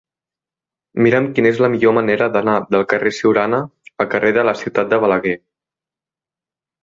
Mira'm quina és la millor manera d'anar del carrer de Siurana al carrer de la Ciutat de Balaguer.